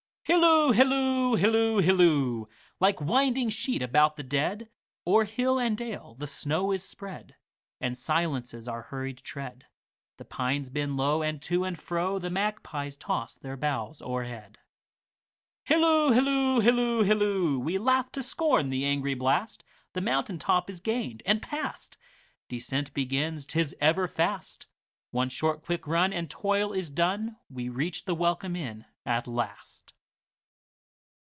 Hilloo, hilloo, hilloo, hilloo! Like winding sheet about the dead, O'er hill and dale the snow is spread, And silences our hurried tread; The pines bend low, and to and froThe magpies toss their boughs o'erhead. Hilloo, hilloo, hilloo, hilloo! We laugh to scorn the angry blast, The mountain top is gained and past. Descent begins, 't is ever fast—One short quick run, and toil is done, We reach the welcome inn at last.